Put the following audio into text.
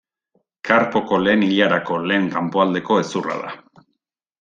Karpoko lehen ilarako lehen kanpoaldeko hezurra da.